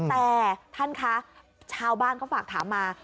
แต่ท่านคะชาวบ้านเขาฝากถามมา